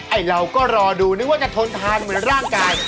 ไอ้เราก็รอดูนึกว่าจะทนทานเหมือนร่างกาย